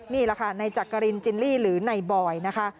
นี่แหละค่ะในจักรินจิลลี่หรือในบอยนะคะ